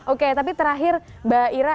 oke tapi terakhir mbak ira